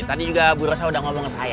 tadi juga bu rosa udah ngomong ke saya